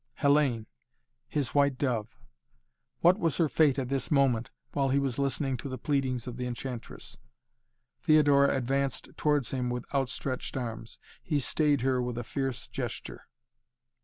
Hellayne his white dove! What was her fate at this moment while he was listening to the pleadings of the enchantress? Theodora advanced towards him with outstretched arms. He stayed her with a fierce gesture.